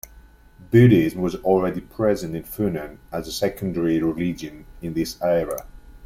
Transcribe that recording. Buddhism was already present in Funan as a secondary religion in this era.